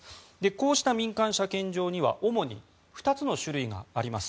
こうした民間車検場には主に２つの種類があります。